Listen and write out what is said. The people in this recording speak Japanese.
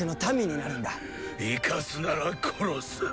生かすなら殺す。